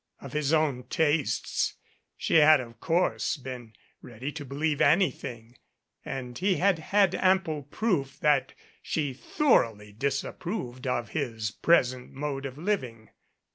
Of his own tastes she had of course been ready to believe anything, and he had had ample proof that she thor oughly disapproved of his present mode of living.